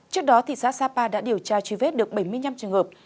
trước đó thị xã sapa đã điều tra truy vết được bảy mươi năm trường hợp